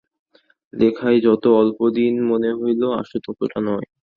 লেখায় যত অল্পদিন মনে হইল, আসলে ততটা নয়।